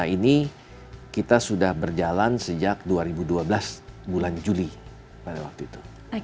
ini kita sudah berjalan sejak dua ribu dua belas bulan juli pada waktu itu